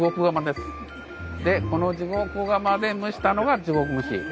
でこの地獄釜で蒸したのが地獄蒸し。